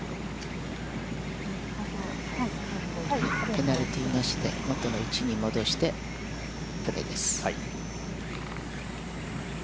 ペナルティーなしで、元の位置に戻して、プレーです。